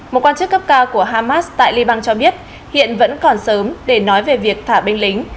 một quan chức cấp cao của hamas tại liban cho biết hiện vẫn còn sớm để nói về việc thả binh lính